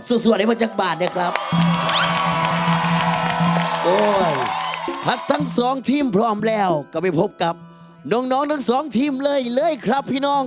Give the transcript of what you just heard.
สวัสดีมาจากบ้านนะครับพัดทั้งสองทีมพร้อมแล้วกลับไปพบกับน้องทั้งสองทีมเลยครับพี่น้อง